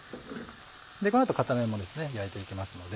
この後片面も焼いていきますので。